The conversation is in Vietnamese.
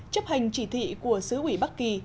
chấp hành chỉ thị của sứ ủy bắc kỳ